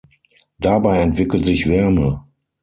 Dabei entwickelt sich Wärme.